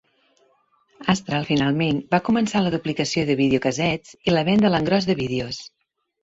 Astral finalment va començar la duplicació de videocassets i la venda a l'engròs de vídeos.